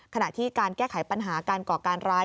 ขณะที่การแก้ไขปัญหาการก่อการร้าย